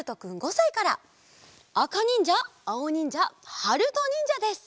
あかにんじゃあおにんじゃはるとにんじゃです！